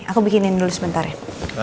aku bikinin dulu sebentar ya